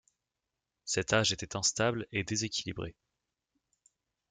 Cet Âge était instable et déséquilibré.